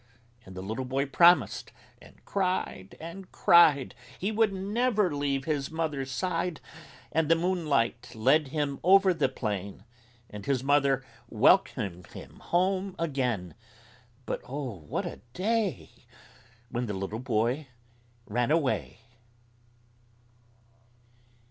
And the little boy promised and cried and cried He would never leave his mother's side; And the Moonlight led him over the plain And his mother welcomed him home again. But oh, what a day When the little boy ran away!